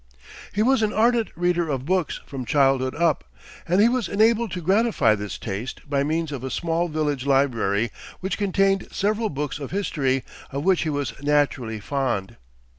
He was an ardent reader of books from childhood up; and he was enabled to gratify this taste by means of a small village library, which contained several books of history, of which he was naturally fond.